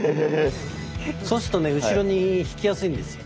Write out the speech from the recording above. そうするとね後ろに引きやすいんですよ。